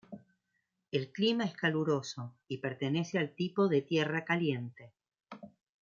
El clima es caluroso y pertenece al tipo de tierra caliente.